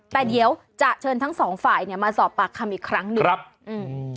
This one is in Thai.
แต่เดี๋ยวจะเชิญทั้งสองฝ่ายเนี้ยมาสอบปากคำอีกครั้งหนึ่งครับอืม